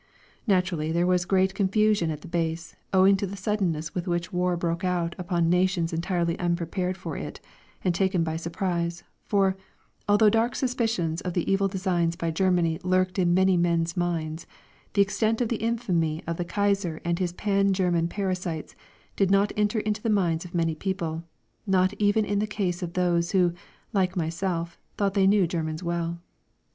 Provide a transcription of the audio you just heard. Naturally there was great confusion at the base, owing to the suddenness with which war broke out upon nations entirely unprepared for it and taken by surprise, for, although dark suspicions of the evil designs of Germany lurked in many men's minds, the extent of the infamy of the Kaiser and his pan German parasites did not enter into the minds of many people, not even in the case of those who, like myself, thought they knew Germans well.